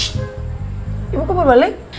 shh ibu kok mau balik